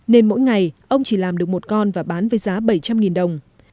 nên mỗi ngày ông chỉ làm được một con và bán với giá bảy trăm linh đồng